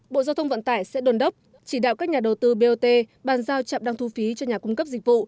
bộ giao thông vận tải sẽ đồn đốc chỉ đạo các nhà đầu tư bot bàn giao trạm đăng thu phí cho nhà cung cấp dịch vụ